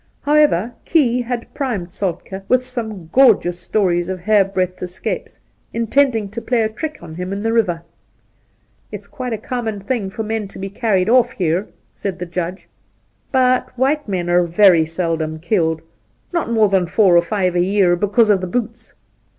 However, Key had primed Soltkd with some gorgeous stories of hairbreadth escapes, intending to play a trick on him in the river. ' It is quite a common thing for men to be carried off here,' said the Judge ;' but white men are very seldom killed — not more than four or five a year — because of the boots.'